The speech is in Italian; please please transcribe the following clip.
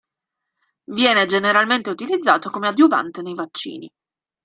Viene generalmente utilizzato come adiuvante nei vaccini.